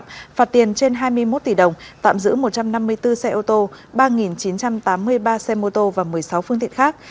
phạt tiền trên hai mươi một tỷ đồng tạm giữ một trăm năm mươi bốn xe ô tô ba chín trăm tám mươi ba xe mô tô và một mươi sáu phương tiện khác